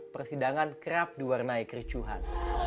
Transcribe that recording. persidangan kerap diwarnai kericuhan